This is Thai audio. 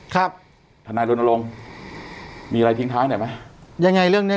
ครับฐานายรุนโรงมีอะไรทิ้งท้ายไหนไหมยังไงเรื่องเนี้ย